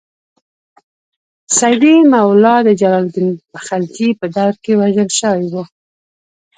سیدي مولا د جلال الدین خلجي په دور کې وژل شوی و.